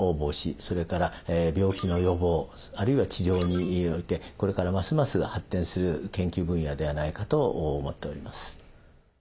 それから病気の予防あるいは治療においてこれからますます発展する研究分野ではないかと思っております。